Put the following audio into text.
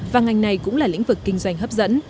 và ngành này cũng là lĩnh vực kinh doanh hấp dẫn